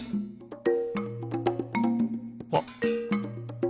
あっ！